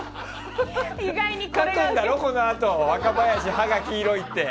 書くんだろ、このあと若林、歯が黄色いって。